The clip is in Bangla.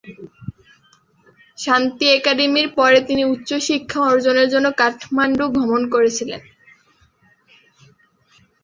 শান্তি একাডেমির পরে তিনি উচ্চশিক্ষা অর্জনের জন্য কাঠমান্ডু গমন করেছিলেন।